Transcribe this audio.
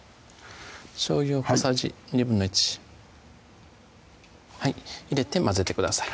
しょうゆを小さじ１／２入れて混ぜてください